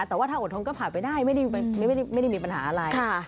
แต่ว่าถ้าอดทนก็ผ่านไปได้ไม่ได้มีปัญหาอะไร